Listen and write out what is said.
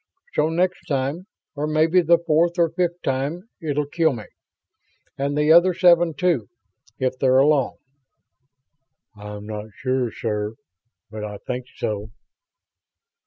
So next time, or maybe the fourth or fifth time, it'll kill me. And the other seven, too, if they're along." "I'm not sure, sir, but I think so."